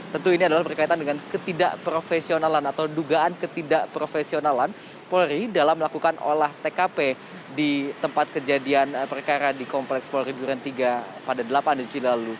tentu ini adalah berkaitan dengan ketidakprofesionalan atau dugaan ketidakprofesionalan polri dalam melakukan olah tkp di tempat kejadian perkara di kompleks polri duren tiga pada delapan juli lalu